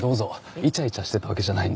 イチャイチャしてたわけじゃないんで。